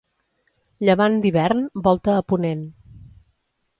Llevant d'hivern, volta a ponent.